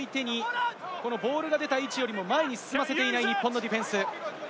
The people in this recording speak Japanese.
相手にボールが出た位置よりも前に進ませていない日本のディフェンス。